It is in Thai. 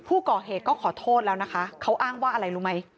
ผู้ก่อเหตุก็ขอโทษแล้วนะคะเขาอ้างว่าอะไรรู้ไหม